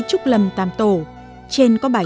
chùa có ban thờ đức thanh hóa